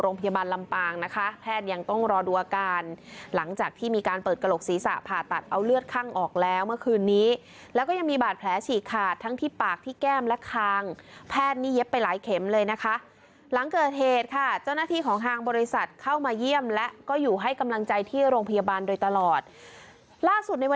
โรงพยาบาลลำปางนะคะแพทย์ยังต้องรอดูอาการหลังจากที่มีการเปิดกระโหลกศีรษะผ่าตัดเอาเลือดข้างออกแล้วเมื่อคืนนี้แล้วก็ยังมีบาดแผลฉีกขาดทั้งที่ปากที่แก้มและคางแพทย์นี่เย็บไปหลายเข็มเลยนะคะหลังเกิดเหตุค่ะเจ้าหน้าที่ของทางบริษัทเข้ามาเยี่ยมและก็อยู่ให้กำลังใจที่โรงพยาบาลโดยตลอดล่าสุดในวัน